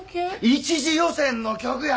一次予選の曲や！